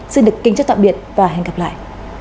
xin được kinh chất tạm biệt và hẹn gặp lại